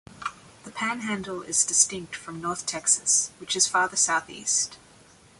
The Panhandle is distinct from North Texas, which is farther southeast.